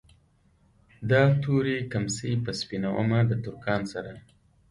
دا تورې کمڅۍ به سپينومه د ترکان سره